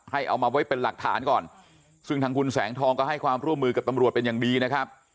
เอามาไว้เป็นหลักฐานก่อนซึ่งทางคุณแสงทองก็ให้ความร่วมมือกับตำรวจเป็นอย่างดีนะครับ